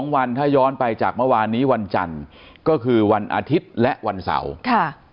วันถ้าย้อนไปจากเมื่อวานนี้วันจันทร์ก็คือวันอาทิตย์และวันเสาร์ค่ะ